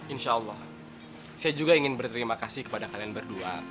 insya allah saya juga ingin berterima kasih kepada kalian berdua